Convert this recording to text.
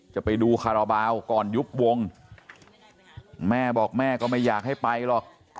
จะไปดูคาราบาลก่อนยุบวงแม่บอกแม่ก็ไม่อยากให้ไปหรอก